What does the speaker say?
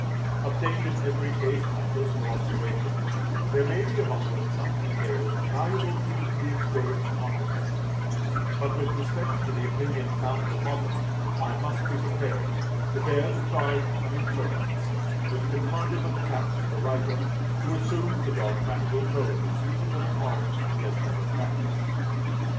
Obtained in every case by personal observation, there may be among them some details valuable even to the experienced architect; but with respect to the opinions founded upon them I must be prepared to bear the charge of impertinence which can hardly but attach to the writer who assumes a dogmatical tone in speaking of an art he has never practised.